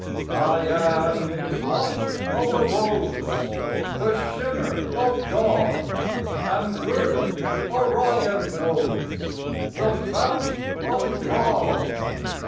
I am in blush of the rose, The shimmer of dawn; Am girdle Orion knows, The fount undrawn.